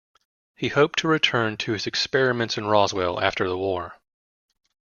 He hoped to return to his experiments in Roswell after the war.